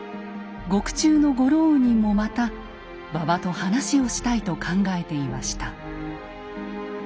獄中のゴローウニンもまた馬場と話をしたいと考えていました。